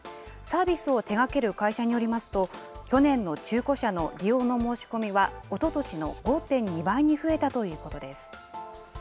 サービスを手がける会社によりますと、去年の中古車の利用の申し込みは、おととしの５．２倍に増えたということです。